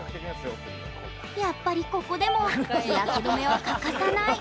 やっぱり、ここでも日焼け止めは欠かさない。